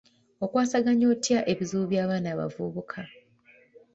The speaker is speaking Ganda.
Okwasaganya otya ebizibu by'abaana abavubuka?